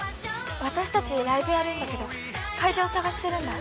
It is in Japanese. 私たちライブやるんだけど会場探してるんだ。